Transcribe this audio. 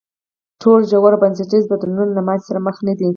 ټول ژور او بنسټیز بدلونونه له ماتې سره مخ نه دي.